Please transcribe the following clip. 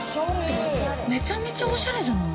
めちゃめちゃおしゃれじゃない？